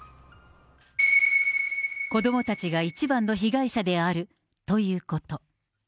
子どもたちが一番の被害者であるということ。